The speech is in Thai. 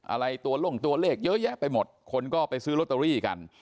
อะไรตัวลงตัวเลขเยอะแยะไปหมดคนก็ไปซื้อลอตเตอรี่กัน